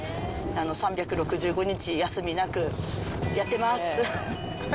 ３６５日、休みなくやってます！